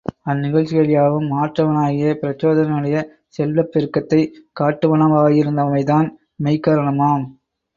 அந் நிகழ்ச்சிகள் யாவும் மாற்றவனாகிய பிரச்சோதனனுடைய செல்வப் பெருக்கத்தைக் காட்டுவன வாயிருந்தமைதான் மெய்க்காரணமாம்.